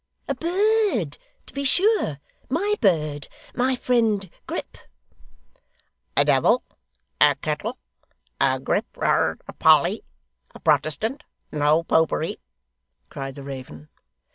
A bird, to be sure. My bird my friend Grip.' 'A devil, a kettle, a Grip, a Polly, a Protestant, no Popery!' cried the raven.